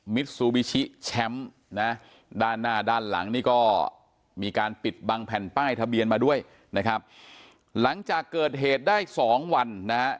ซูบิชิแชมป์นะด้านหน้าด้านหลังนี่ก็มีการปิดบังแผ่นป้ายทะเบียนมาด้วยนะครับหลังจากเกิดเหตุได้สองวันนะฮะ